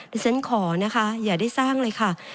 ดิฉันขอนะคะอย่าได้สร้างเลยค่ะ